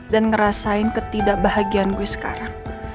dan ngerasain ketidakbahagiaan gue sekarang